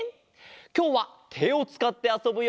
きょうはてをつかってあそぶよ。